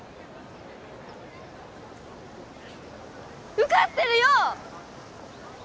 受かってる！